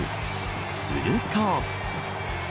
すると。